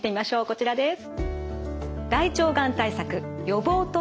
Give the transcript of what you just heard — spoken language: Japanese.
こちらです。